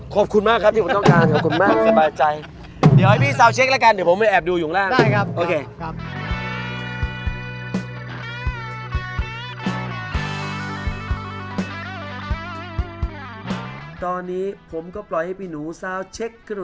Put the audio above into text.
ขอบคุณมากที่พี่หนูต้องการ